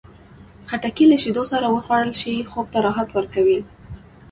خټکی له شیدو سره وخوړل شي، خوب ته راحت ورکوي.